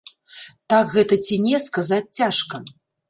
Так гэта ці не, сказаць цяжка.